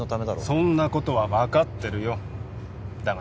そんなことは分かってるよだが